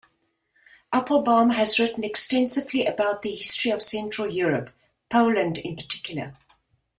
Applebaum has written extensively about the history of central Europe, Poland in particular.